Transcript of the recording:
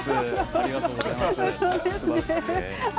ありがとうございます。